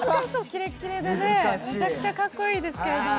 キレッキレでめちゃくちゃかっこいいですけども。